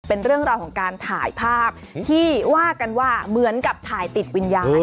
เป็นเรื่องราวของการถ่ายภาพที่ว่ากันว่าเหมือนกับถ่ายติดวิญญาณ